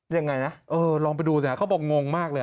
ยังไงนะเออลองไปดูสิเขาบอกงงมากเลย